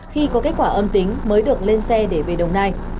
khi có kết quả âm tính mới được lên xe để về đồng nai